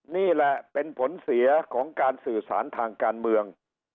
นี่แหละเป็นผลเสียของการสื่อสารทางการเมือง